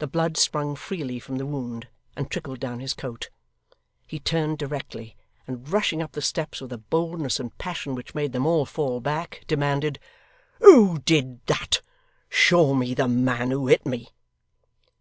The blood sprung freely from the wound, and trickled down his coat. He turned directly, and rushing up the steps with a boldness and passion which made them all fall back, demanded: 'Who did that? Show me the man who hit me.